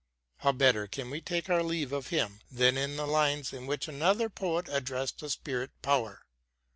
How better can we take our leave of him than in the lines in which another poet addressed a spirit power